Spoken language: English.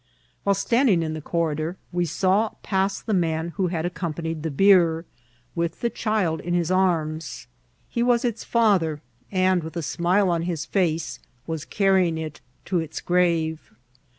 While standing in the corridor we saw pass the man who had accompanied the bier, with the child in his arms. He was its father, and with a smile on his face was carrying it to its grave.